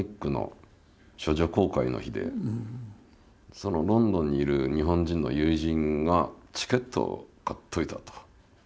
そしたらロンドンにいる日本人の友人が「チケットを買っといた」と。